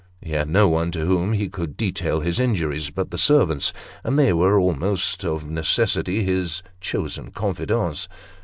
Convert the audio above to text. He had no one to whom he could detail his injuries but the servants, and they were almost of necessity his chosen confidants.